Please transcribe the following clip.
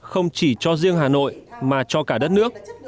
không chỉ cho riêng hà nội mà cho cả đất nước